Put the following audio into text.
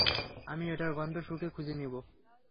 আমি এটার গন্ধ শুঁকে খুঁজে নিব।